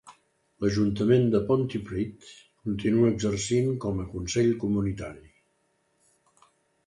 L'ajuntament de Pontypridd continua exercint com a consell comunitari.